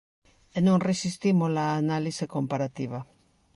E non resistimos a análise comparativa.